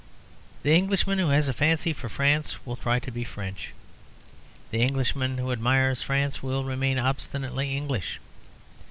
The Englishman who has a fancy for France will try to be French; the Englishman who admires France will remain obstinately English.